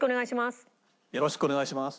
よろしくお願いします。